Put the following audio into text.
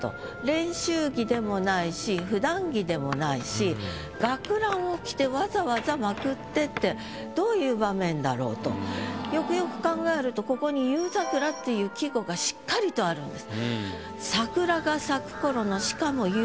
練習着でもないしふだん着でもないし学ランを着てわざわざ捲ってってよくよく考えるとここに「夕桜」っていう季語がしっかりとあるんです。